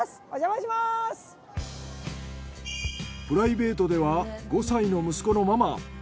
プライベートでは５歳の息子のママ。